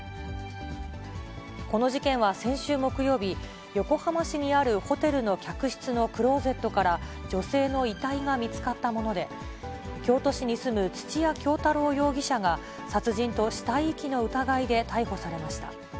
この事件は先週木曜日、横浜市にあるホテルの客室のクローゼットから、女性の遺体が見つかったもので、京都市に住む土屋京多郎容疑者が殺人と死体遺棄の疑いで逮捕されました。